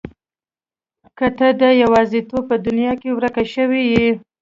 که ته د يوازيتوب په دنيا کې ورکه شوې يې.